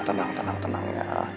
tenang tenang tenang